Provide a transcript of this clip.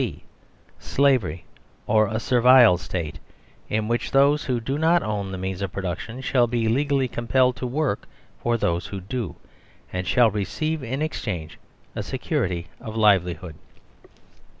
(c) Slavery, or a Servile State in which those who do not own the means of production shall be legally compelled to work for those who do, and shall receive in exchange a security of livelihood.